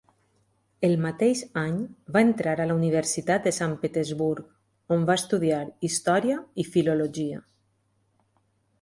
El mateix any va entrar a la Universitat de Sant Petersburg, on va estudiar història i filologia.